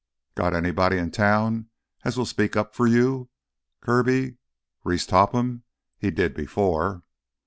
"Got anybody in town as will speak up for you, Kirby? Reese Topham? He did before."